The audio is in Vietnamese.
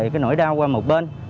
cái nỗi đau qua một bên